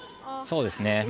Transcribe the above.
そうですね。